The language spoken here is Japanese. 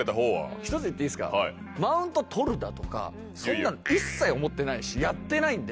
１ついいですか、マウント取るとか、そんなの一切思ってないし、やってないんで。